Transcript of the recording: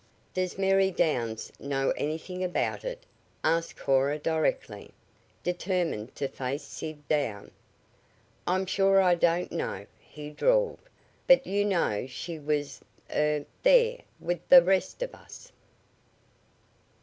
"Does Mary Downs know anything about it?" asked Cora directly, determined to face Sid down. "I'm sure I don't know," he drawled. "But you know she was er there with the rest of us."